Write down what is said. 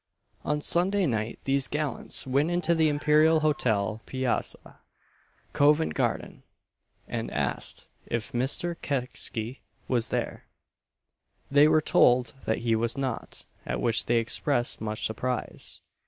On Sunday night these gallants went into the Imperial Hotel, Piazza, Covent garden, and asked if "Mr. Kecksy" was there. They were told that he was not; at which they expressed much surprise.